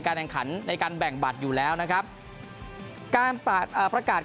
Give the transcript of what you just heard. แข่งขันในการแบ่งบัตรอยู่แล้วนะครับการประกาศ